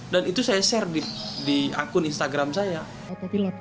dan itu saya share di akun instagram saya